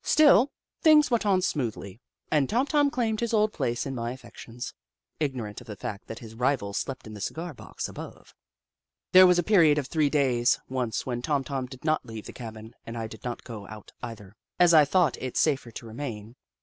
Still, things went on smoothly, and Tom 1 6 The Book of Clever Beasts Tom claimed his old place in my affections, ignorant of the fact that his rival slept in the cigar box above. There was a period of three days, once, when Tom Tom did not leave the cabin, and I did not go out either, as I thought it safer to remain.